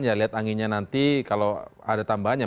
ya lihat anginnya nanti kalau ada tambahannya